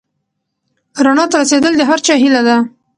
رڼا ته رسېدل د هر چا هیله ده.